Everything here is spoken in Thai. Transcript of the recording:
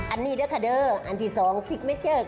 อันนี้ค่ะอันที่๒สิกเจอร์